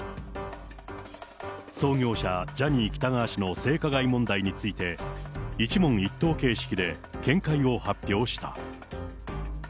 創業者、ジャニー喜多川氏の性加害問題について、一問一答形式で見解を発表した。